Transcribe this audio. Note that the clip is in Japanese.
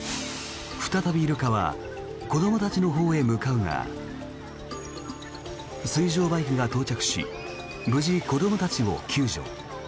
再びイルカは子どもたちのほうへ向かうが水上バイクが到着し無事、子どもたちを救助。